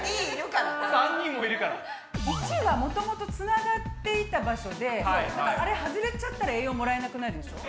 ①はもともとつながっていた場所であれ外れちゃったら栄養もらえなくなるでしょう。